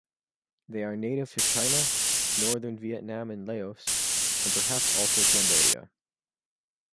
They are native to China, northern Vietnam and Laos, and perhaps also Cambodia.